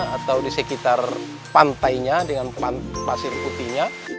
atau di sekitar pantainya dengan pasir putihnya